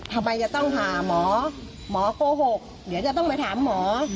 ทำไมจะต้องผ่าหมอหมอโกหกเดี๋ยวจะต้องไปถามหมอ